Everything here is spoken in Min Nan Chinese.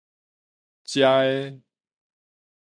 遮的